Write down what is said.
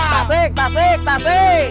tasik tasik tasik